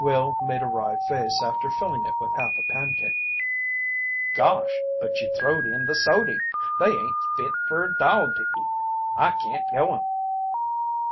Will made a wry face after filling it with half a pancake: "Gosh! But you throwed in the sody. They ain't fit fer a dog to eat. I can't go 'em."